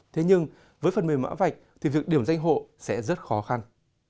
thế nhưng với phần mềm mã vạch thì việc điểm danh hộ sẽ rất khó khăn